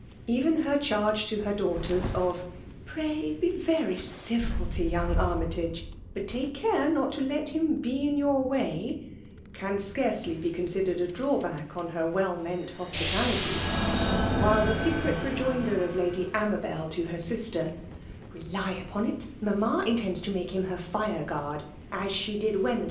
Even her charge to her daughters of " Pray, be very civil to young Armytage, but take care not to let him be in your way," can scarcely be considered a drawback on her well meant hospitality ; while the secret rejoinder of Lady Amabel to her sister, —" Bely upon ft, mamma intends to make him her fireguard, as she did FEMALS DOMINATION.